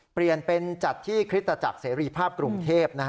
เปลี่ยนเป็นจัดที่คริสตจักรเสรีภาพกรุงเทพ